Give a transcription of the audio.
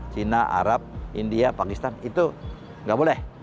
cina arab india pakistan itu nggak boleh